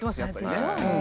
やっぱりね。